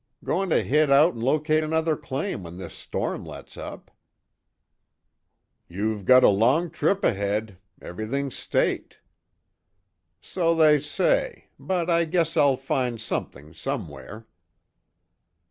"Going to hit out and locate another claim when this storm lets up." "You've got a long trip ahead. Everything's staked." "So they say, but I guess I'll find something, somewhere."